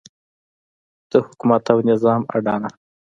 د حکومت او نظام اډانه.